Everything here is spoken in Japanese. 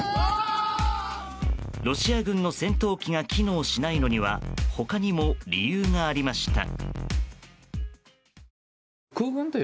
ロシア軍の戦闘機が機能しないのには他にも理由がありました。